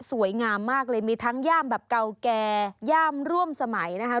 สวยงามมากเลยมีทั้งย่ามแบบเก่าแก่ย่ามร่วมสมัยนะคะ